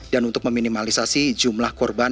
dan untuk meminimalisasi jumlah korban